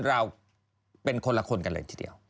เราเป็นคนละคนกันเลยทีเดียว